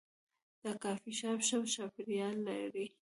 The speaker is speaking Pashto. دا کافي شاپ ښه چاپیریال لري.